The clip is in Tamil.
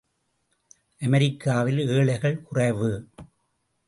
அமெரிக்காவில் ஏழைகள் குறைவு.